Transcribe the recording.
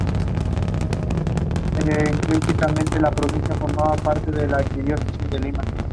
Su base principal era el Aeropuerto Internacional de Oakland.